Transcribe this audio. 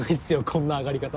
こんな上がり方。